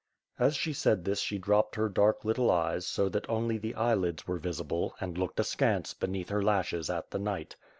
As she said this she dropped her dark little eyes so that only the eyelids were visible and looked askance beneath her lashes at the knight.